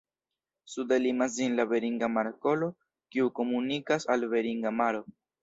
Sude limas ĝin la Beringa Markolo, kiu komunikas al Beringa maro.